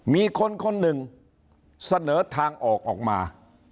มีคนคนหนึ่งเสนอทางออกออกมา